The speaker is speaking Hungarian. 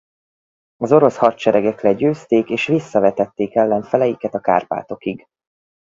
Az orosz hadseregek legyőzték és visszavetették ellenfeleiket a Kárpátokig.